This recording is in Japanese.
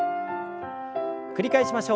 繰り返しましょう。